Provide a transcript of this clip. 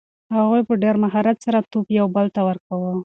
هغوی په ډېر مهارت سره توپ یو بل ته ورکاوه.